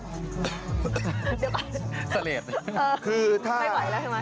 ไม่ไหวแล้วใช่ไหม